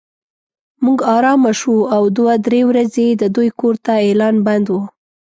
موږ ارامه شوو او دوه درې ورځې د دوی کور ته اعلان بند و.